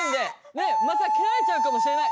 ねっまた蹴られちゃうかもしれない。